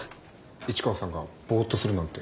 市川さんがぼっとするなんて。